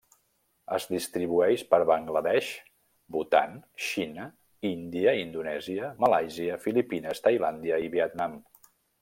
Es distribueix per Bangla Desh, Bhutan, Xina, Índia, Indonèsia, Malàisia, Filipines, Tailàndia i Vietnam.